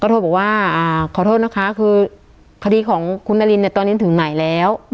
โทรบอกว่าขอโทษนะคะคือคดีของคุณนารินเนี่ยตอนนี้ถึงไหนแล้ว